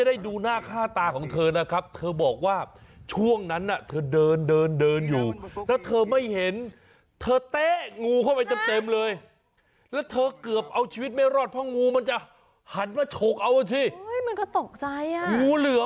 ที่ผมบอกว่ามีสาวใหญ่คน